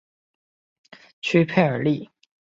屈佩尔利。